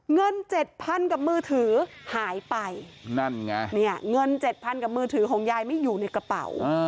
เงินเจ็ดพันกับมือถือหายไปนั่นไงเนี่ยเงินเจ็ดพันกับมือถือของยายไม่อยู่ในกระเป๋า